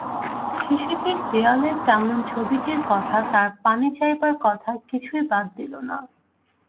শিশুটির দেয়ালে টাঙন ছবিটির কথা, তার পানি চাইবার কথা-কিছুই বাদ দিল না!